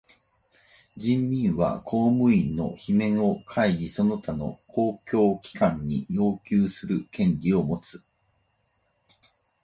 人民は公務員の罷免を議会その他の公共機関に要求する権利をもつ。